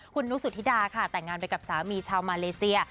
คุณนุสุธิดาค่ะแต่งงานไปกับสามีชาวมาเลเซีย